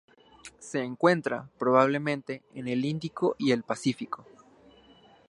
Se encuentra, probablemente, en el Índico y en el Pacífico.